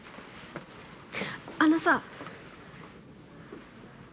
あのさ。